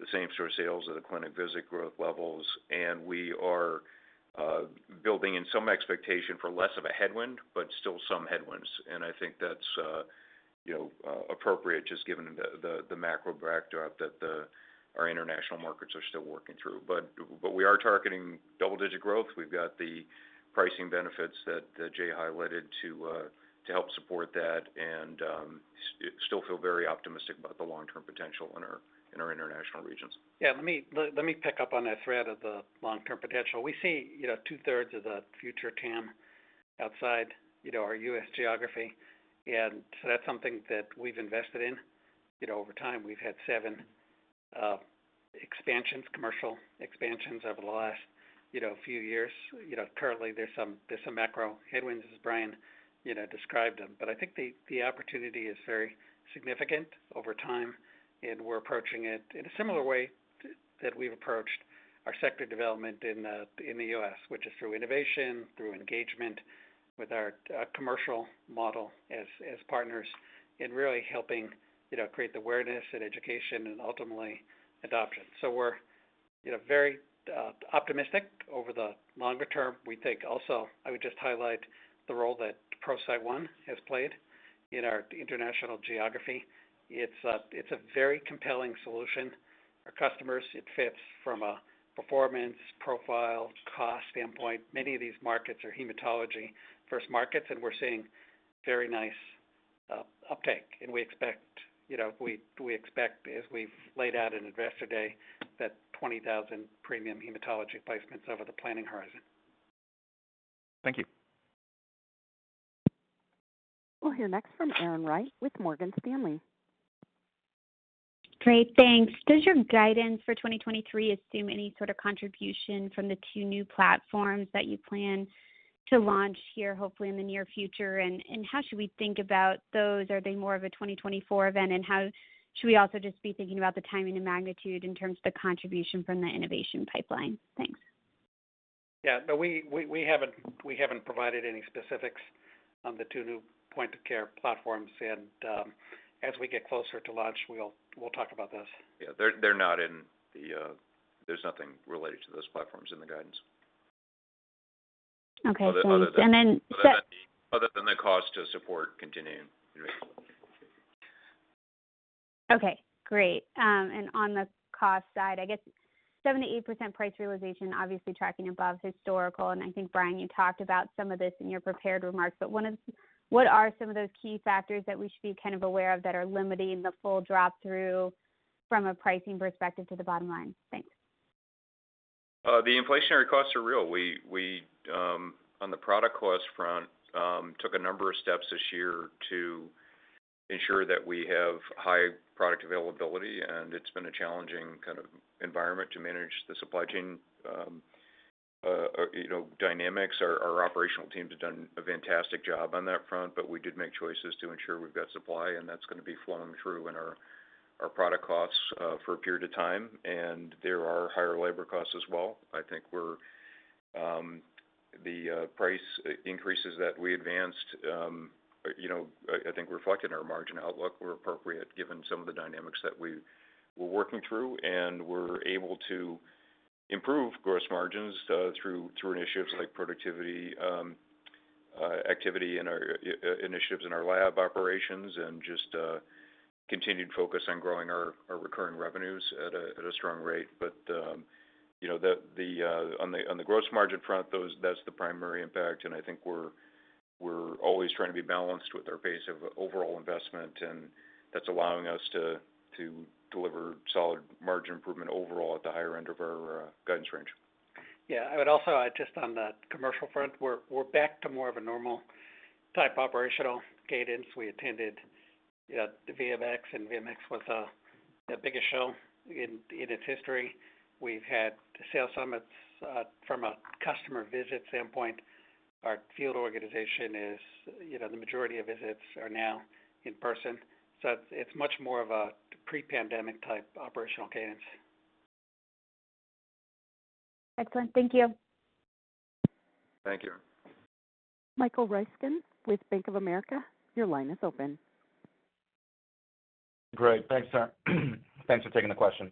the same store sales at the clinic visit growth levels. We are building in some expectation for less of a headwind, but still some headwinds. I think that's, you know, appropriate just given the macro backdrop that our international markets are still working through. We are targeting double-digit growth. We've got the pricing benefits that Jay highlighted to help support that, and still feel very optimistic about the long-term potential in our international regions. Yeah. Let me pick up on that thread of the long-term potential. We see, you know, two-thirds of the future TAM outside, you know, our U.S. geography. That's something that we've invested in. You know, over time, we've had seven expansions, commercial expansions over the last, you know, few years. You know, currently there's some, there's some macro headwinds as Brian, you know, described them. I think the opportunity is very significant over time, and we're approaching it in a similar way that we've approached our sector development in the U.S., which is through innovation, through engagement with our commercial model as partners in really helping, you know, create the awareness and education and ultimately adoption. We're, you know, very optimistic over the longer term. We think also I would just highlight the role that ProCyte One has played in our international geography. It's a very compelling solution. Our customers, it fits from a performance profile, cost standpoint. Many of these markets are hematology first markets, and we're seeing very nice uptake. We expect, you know, we expect, as we've laid out in Investor Day, that 20,000 premium hematology placements over the planning horizon. Thank you. We'll hear next from Erin Wright with Morgan Stanley. Great. Thanks. Does your guidance for 2023 assume any sort of contribution from the two new platforms that you plan to launch here, hopefully in the near future? How should we think about those? Are they more of a 2024 event? How should we also just be thinking about the timing and magnitude in terms of the contribution from the innovation pipeline? Thanks. Yeah. No, we haven't provided any specifics on the two new point of care platforms. As we get closer to launch, we'll talk about those. Yeah. They're not in the... There's nothing related to those platforms in the guidance. Okay. Thanks. Other than the cost to support continuing innovation. Okay, great. On the cost side, I guess 7%-8% price realization, obviously tracking above historical, and I think, Brian, you talked about some of this in your prepared remarks, but what are some of those key factors that we should be kind of aware of that are limiting the full drop through from a pricing perspective to the bottom line? Thanks. The inflationary costs are real. We, on the product cost front, took a number of steps this year to ensure that we have high product availability. It's been a challenging kind of environment to manage the supply chain, you know, dynamics. Our operational teams have done a fantastic job on that front, but we did make choices to ensure we've got supply, and that's gonna be flowing through in our product costs for a period of time. There are higher labor costs as well. I think we're. The price increases that we advanced, you know, I think reflected in our margin outlook were appropriate given some of the dynamics that we're working through. We're able to improve gross margins, through initiatives like productivity, activity in our initiatives in our lab operations and just continued focus on growing our recurring revenues at a strong rate. you know, the on the gross margin front, those, that's the primary impact. I think we're always trying to be balanced with our pace of overall investment, and that's allowing us to deliver solid margin improvement overall at the higher end of our guidance range. Yeah. I would also add just on the commercial front, we're back to more of a normal type operational cadence. We attended, you know, VMX was the biggest show in its history. We've had sales summits from a customer visit standpoint. Our field organization is, you know, the majority of visits are now in person, so it's much more of a pre-pandemic type operational cadence. Excellent. Thank you. Thank you. Michael Ryskin with Bank of America, your line is open. Great. Thanks, Erin. Thanks for taking the question.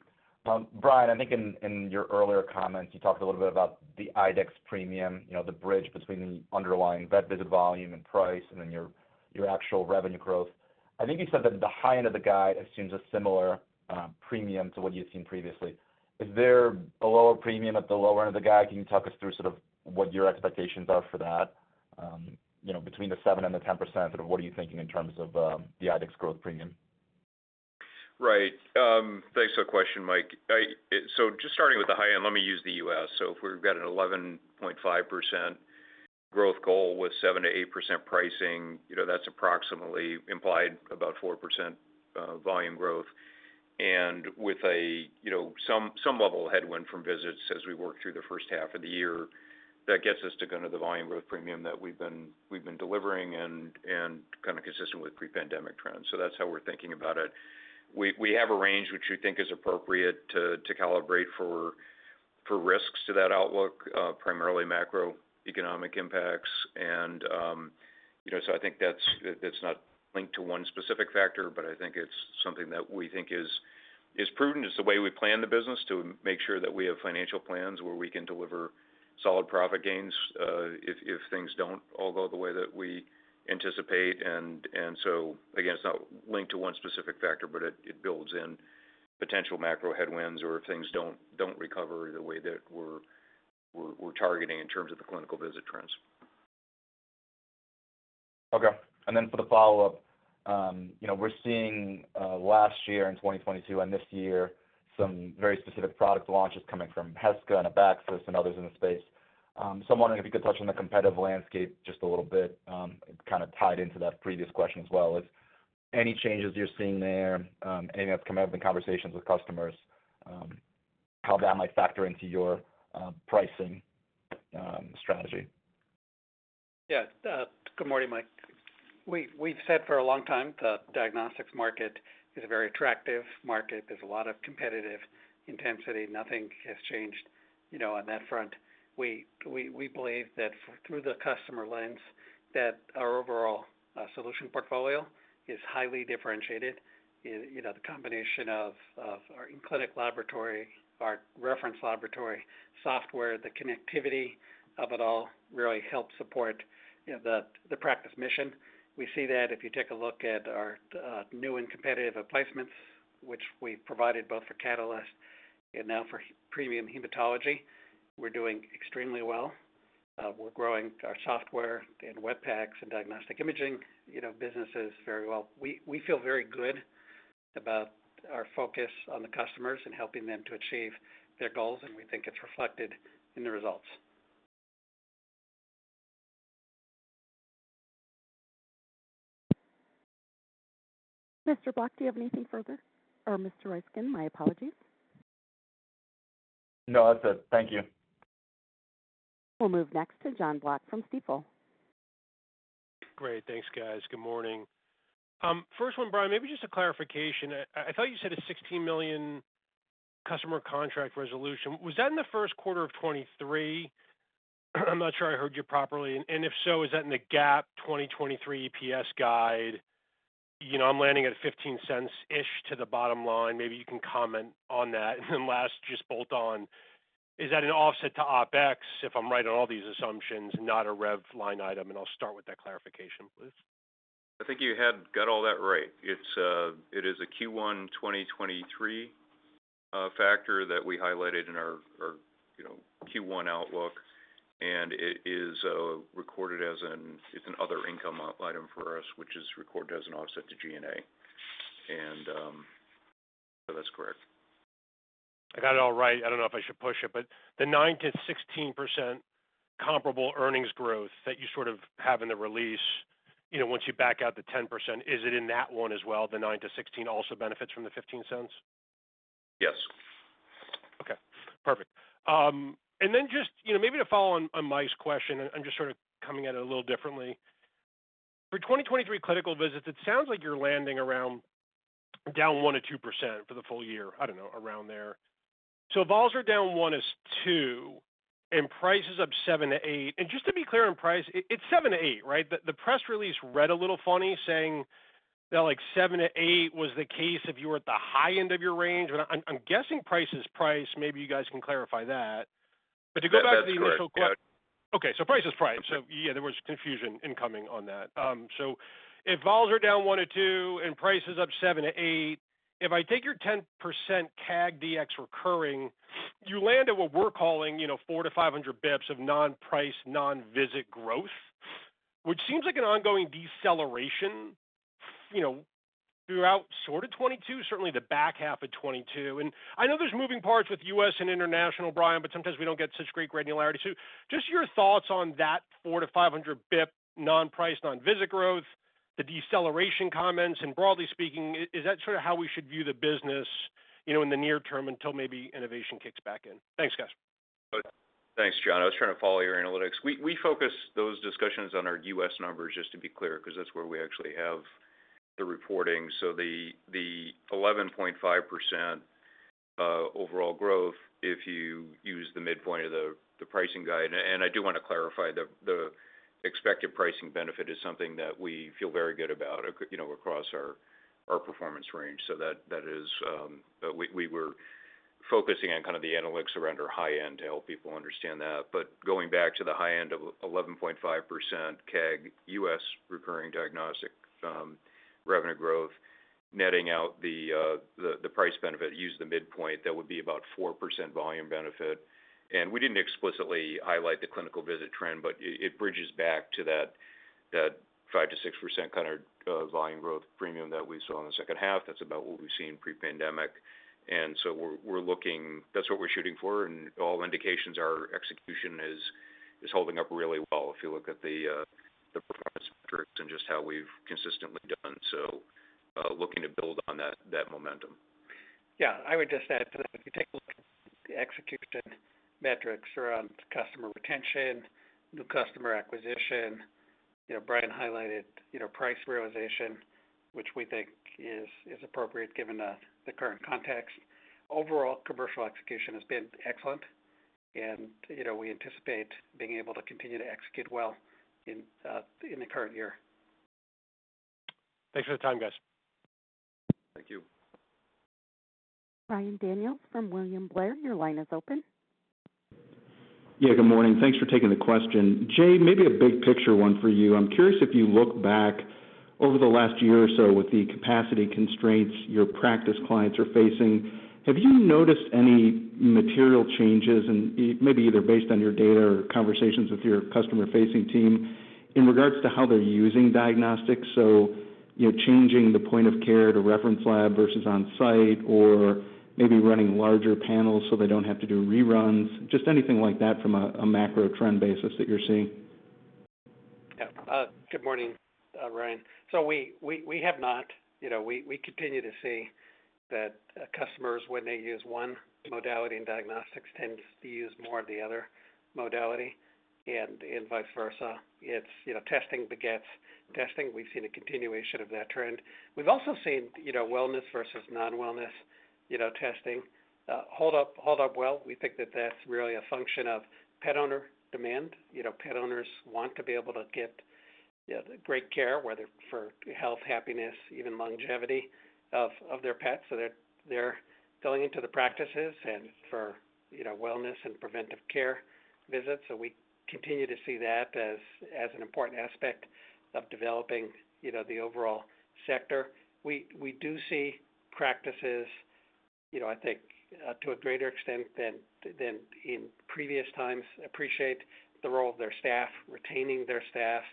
Brian, I think in your earlier comments, you talked a little bit about the IDEXX premium, you know, the bridge between the underlying vet visit volume and price, and then your actual revenue growth. I think you said that the high end of the guide assumes a similar premium to what you've seen previously. Is there a lower premium at the lower end of the guide? Can you talk us through sort of what your expectations are for that, you know, between the 7% and the 10%, sort of what are you thinking in terms of the IDEXX growth premium? Right. Thanks for the question, Mike. Just starting with the high end, let me use the US. If we've got an 11.5% growth goal with 7%-8% pricing, you know, that's approximately implied about 4% volume growth. With a, you know, some level of headwind from visits as we work through the first half of the year, that gets us to kind of the volume growth premium that we've been delivering and kind of consistent with pre-pandemic trends. That's how we're thinking about it. We, we have a range which we think is appropriate to calibrate for risks to that outlook, primarily macroeconomic impacts. You know, I think that's, it's not linked to one specific factor, but I think it's something that we think is prudent. It's the way we plan the business to make sure that we have financial plans where we can deliver solid profit gains, if things don't all go the way that we anticipate. Again, it's not linked to one specific factor, but it builds in potential macro headwinds or if things don't recover the way that we're targeting in terms of the clinical visit trends. Then for the follow-up, you know, we're seeing last year in 2022 and this year some very specific product launches coming from Heska and Abaxis and others in the space. I'm wondering if you could touch on the competitive landscape just a little bit, kind of tied into that previous question as well as any changes you're seeing there, anything that's come up in conversations with customers, how that might factor into your pricing strategy. Good morning, Mike. We've said for a long time the diagnostics market is a very attractive market. There's a lot of competitive intensity. Nothing has changed, you know, on that front. We believe that through the customer lens, that our overall solution portfolio is highly differentiated. You know, the combination of our in-clinic laboratory, our reference laboratory software, the connectivity of it all really helps support, you know, the practice mission. We see that if you take a look at our new and competitive placements, which we've provided both for Catalyst and now for premium hematology, we're doing extremely well. We're growing our software and Web PACS and diagnostic imaging, you know, businesses very well. We feel very good about our focus on the customers and helping them to achieve their goals, and we think it's reflected in the results. Mr. Block, do you have anything further? Or Mr. Ryskin, my apologies. No, that's it. Thank you. We'll move next to Jon Block from Stifel. Great. Thanks, guys. Good morning. First one, Brian, maybe just a clarification. I thought you said a $16 million customer contract resolution. Was that in the first quarter of 2023? I'm not sure I heard you properly. If so, is that in the GAAP 2023 EPS guide? You know, I'm landing at $0.15-ish to the bottom line. Maybe you can comment on that. Then last just bolt on, is that an offset to OpEx, if I'm right on all these assumptions, not a rev line item, and I'll start with that clarification, please. I think you had got all that right. It's, it is a Q1 2023 factor that we highlighted in our, you know, Q1 outlook, it is recorded as an other income item for us, which is recorded as an offset to G&A. that's correct. I got it all right. I don't know if I should push it, but the 9%-16% comparable earnings growth that you sort of have in the release, you know, once you back out the 10%, is it in that one as well, the 9%-16% also benefits from the $0.15? Yes. Okay, perfect. Just, you know, maybe to follow on Mike's question, I'm just sort of coming at it a little differently. For 2023 clinical visits, it sounds like you're landing around down 1%-2% for the full year, I don't know, around there. If vols are down one as two and price is up 7%-8%. Just to be clear on price, it's 7%-8%, right? The press release read a little funny saying that like 7%-8% was the case if you were at the high end of your range. I'm guessing price is price. Maybe you guys can clarify that. To go back to the initial. That's correct. Yeah. Okay. Price is price. Yeah, there was confusion incoming on that. If vols are down 1%-2% and price is up 7%-8%, if I take your 10% CAG DX recurring, you land at what we're calling, you know, 400-500 basis points of non-price, non-visit growth, which seems like an ongoing deceleration, you know, throughout sort of 2022, certainly the back half of 2022. I know there's moving parts with U.S. and international, Brian McKeon, sometimes we don't get such great granularity. Just your thoughts on that 400-500 basis points non-price, non-visit growth, the deceleration comments, and broadly speaking, is that sort of how we should view the business, you know, in the near term until maybe innovation kicks back in? Thanks, guys. Thanks, Jon. I was trying to follow your analytics. We focus those discussions on our U.S. numbers, just to be clear, 'cause that's where we actually have the reporting. The 11.5% overall growth if you use the midpoint of the pricing guide. I do want to clarify, the expected pricing benefit is something that we feel very good about, you know, across our performance range. That is, we were focusing on kind of the analytics around our high end to help people understand that. Going back to the high end of 11.5% CAG U.S. recurring diagnostic revenue growth, netting out the price benefit, use the midpoint, that would be about 4% volume benefit. We didn't explicitly highlight the clinical visit trend, but it bridges back to that 5%-6% kind of volume growth premium that we saw in the second half. That's about what we've seen pre-pandemic. That's what we're shooting for, and all indications are execution is holding up really well, if you look at the performance metrics and just how we've consistently done. Looking to build on that momentum. Yeah. I would just add to that, if you take a look at the execution metrics around customer retention, new customer acquisition, you know, Brian highlighted, you know, price realization, which we think is appropriate given the current context. Overall, commercial execution has been excellent, you know, we anticipate being able to continue to execute well in the current year. Thanks for the time, guys. Thank you. Brian Daniels from William Blair, your line is open. Good morning. Thanks for taking the question. Jay, maybe a big picture one for you. I'm curious if you look back. Over the last year or so with the capacity constraints your practice clients are facing, have you noticed any material changes and maybe either based on your data or conversations with your customer-facing team in regards to how they're using diagnostics? You know, changing the point of care to reference lab versus on-site or maybe running larger panels so they don't have to do reruns. Just anything like that from a macro trend basis that you're seeing. Good morning, Ryan. We have not. You know, we continue to see that customers when they use one modality in diagnostics tends to use more of the other modality and vice versa. It's, you know, testing begets testing. We've seen a continuation of that trend. We've also seen, you know, wellness versus non-wellness, you know, testing hold up well. We think that that's really a function of pet owner demand. You know, pet owners want to be able to get, you know, great care, whether for health, happiness, even longevity of their pets. They're going into the practices and for, you know, wellness and preventive care visits. We continue to see that as an important aspect of developing, you know, the overall sector. We do see practices, you know, I think, to a greater extent than in previous times, appreciate the role of their staff, retaining their staff,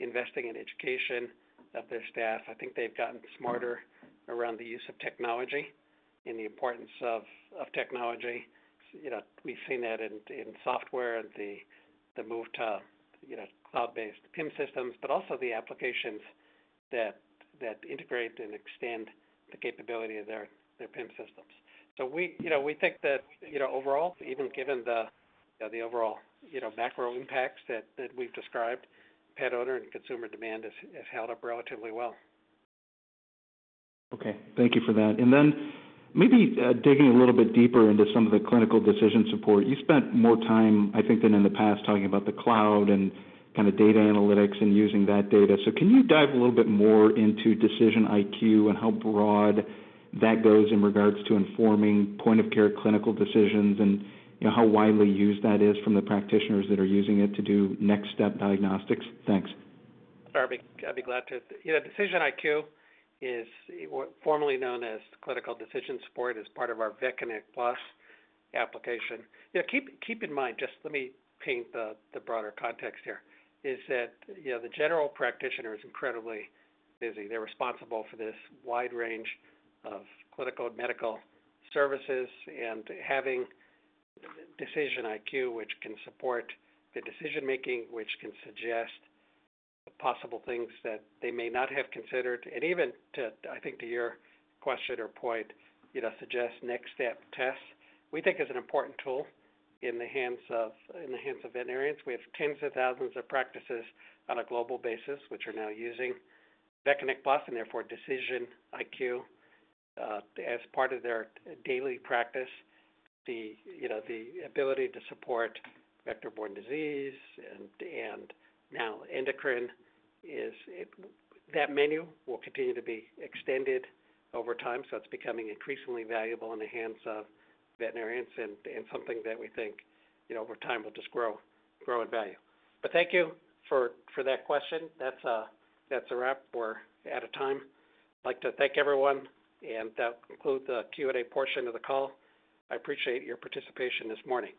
investing in education of their staff. I think they've gotten smarter around the use of technology and the importance of technology. You know, we've seen that in software and the move to, you know, cloud-based PIMS systems, but also the applications that integrate and extend the capability of their PIMS systems. We, you know, we think that, you know, overall, even given the, you know, overall, you know, macro impacts that we've described, pet owner and consumer demand has held up relatively well. Okay. Thank you for that. Digging a little bit deeper into some of the clinical decision support. You spent more time, I think, than in the past, talking about the cloud and kind of data analytics and using that data. Can you dive a little bit more into DecisionIQ and how broad that goes in regards to informing point-of-care clinical decisions and, you know, how widely used that is from the practitioners that are using it to do next step diagnostics? Thanks. Sure. I'd be glad to. You know, DecisionIQ is formerly known as Clinical Decision Support. It's part of our VetConnect PLUS application. You know, keep in mind, just let me paint the broader context here, is that, you know, the general practitioner is incredibly busy. They're responsible for this wide range of clinical medical services and having DecisionIQ, which can support the decision-making, which can suggest possible things that they may not have considered. Even to, I think, to your question or point, you know, suggest next step tests, we think is an important tool in the hands of veterinarians. We have tens of thousands of practices on a global basis, which are now using VetConnect PLUS, and therefore, DecisionIQ, as part of their daily practice. The, you know, the ability to support vector-borne disease and now endocrine is it. That menu will continue to be extended over time. It's becoming increasingly valuable in the hands of veterinarians and something that we think, you know, over time, will just grow in value. Thank you for that question. That's a wrap. We're out of time. I'd like to thank everyone. That'll conclude the Q&A portion of the call. I appreciate your participation this morning.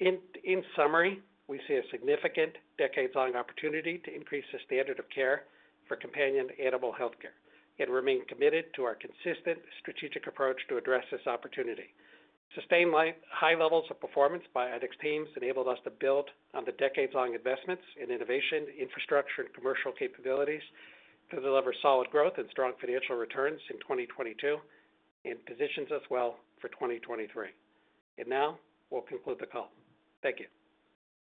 In summary, we see a significant decades-long opportunity to increase the standard of care for companion animal healthcare and remain committed to our consistent strategic approach to address this opportunity. Sustained high levels of performance by IDEXX teams enabled us to build on the decades-long investments in innovation, infrastructure, and commercial capabilities to deliver solid growth and strong financial returns in 2022 and positions us well for 2023. Now we'll conclude the call. Thank you.